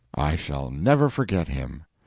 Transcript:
I shall never forget him. Mr.